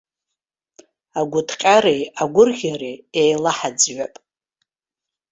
Агәыҭҟьареи агәырӷьареи еилаҳаӡҩап.